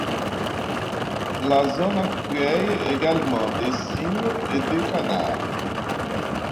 La zone accueille également des cygnes et des canards.